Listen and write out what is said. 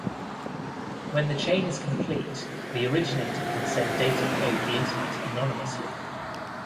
When the chain is complete, the originator can send data over the Internet anonymously.